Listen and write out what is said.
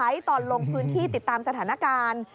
ที่นายกลุงตอบคัมใช้ตอนลงพื้นที่ติดตามสถานการณ์